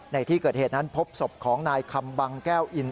ในที่เกิดเหตุนั้นพบศพของนายคำบังแก้วอิน